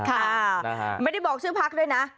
ค่ะนะฮะไม่ได้บอกชื่อพักด้วยนะ